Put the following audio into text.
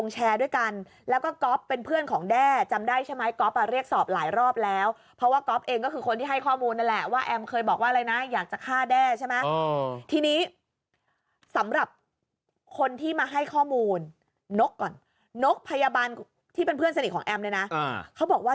สำหรับคนที่มาให้ข้อมูลนกก่อนนกพยาบาลที่เป็นเพื่อนสนิกของแอมเลยนะเขาบอกว่า